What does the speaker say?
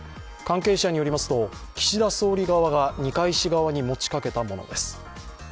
関係者によりますと岸田総理側が二階氏側に持ちかけたものです。